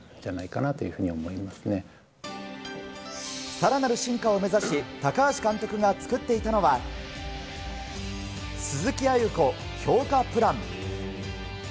さらなる進化を目指し高橋監督が作っていたのは、鈴木亜由子強化プラン。